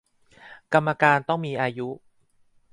กรรมการต้องมีอายุ